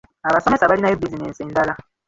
Abasomesa balinayo bizinensi endala.